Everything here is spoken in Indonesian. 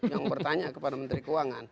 yang bertanya kepada menteri keuangan